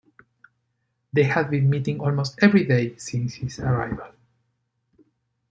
They had been meeting almost every day since his arrival.